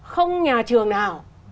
không nhà trường nào